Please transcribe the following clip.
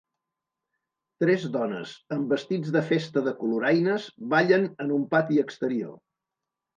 Tres dones amb vestits de festa de coloraines ballen en un pati exterior.